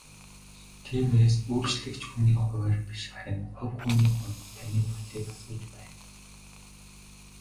Тиймээс үйлчлэгч хүний хувиар биш харин хувь хүний хувьд таны бодлыг асууж байна.